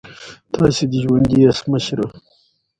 د دې مخ نيوے مونږ پۀ سهي خوراک ،